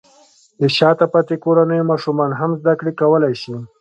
د شاته پاتې کورنیو ماشومان هم زده کړې کولی شي.